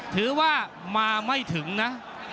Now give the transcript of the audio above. ถือว่ามาไม่ถึงนะ